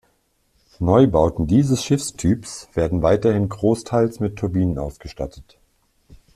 Neubauten dieses Schiffstyps werden weiterhin großteils mit Turbinen ausgestattet.